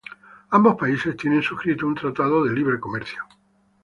Ambos países tienen suscrito un tratado de libre comercio.